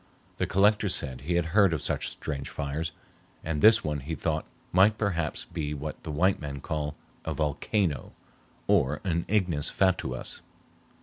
The Collector said he had heard of such strange fires, and this one he thought might perhaps be what the white man called a "volcano, or an ignis fatuus."